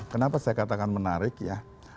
kenapa saya katakan menarik ya